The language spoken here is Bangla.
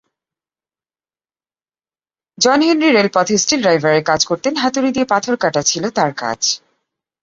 জন হেনরি রেলপথে স্টিল ড্রাইভারের কাজ করতেন, হাতুড়ি দিয়ে পাথর কাটা ছিলো তার কাজ।